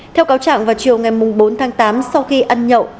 theo cáo trạng vào chiều ngày bốn tháng tám sau khi ăn nhậu